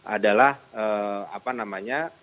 adalah apa namanya